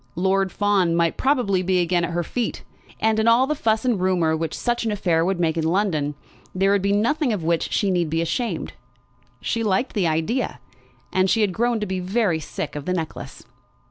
Lord Fawn might probably be again at her feet. And in all the fuss and rumour which such an affair would make in London, there would be nothing of which she need be ashamed. She liked the idea, and she had grown to be very sick of the necklace.